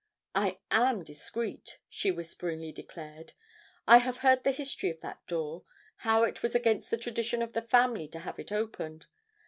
"I am discreet," she whisperingly declared. "I have heard the history of that door how it was against the tradition of the family to have it opened.